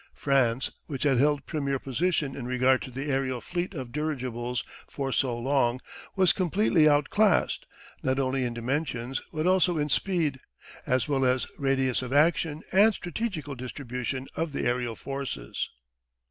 France, which had held premier position in regard to the aerial fleet of dirigibles for so long, was completely out classed, not only in dimensions but also in speed, as well as radius of action and strategical distribution of the aerial forces.